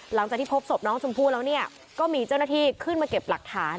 หลังจากนี้พบสบน้องสมผู้แล้วก็มีเจ้าหน้าที่ขึ้นมาเก็บบรากฐาน